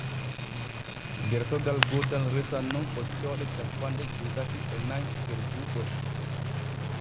Gertogal gootal resan nun ɓoccooɗe cappanɗe jeetati e nay der duuɓol.